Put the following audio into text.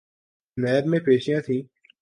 NAB میں پیشیاں تھیں۔